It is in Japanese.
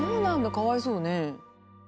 かわいそうね。